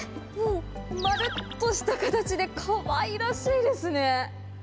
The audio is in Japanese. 丸っとした形で、かわいらしいですね。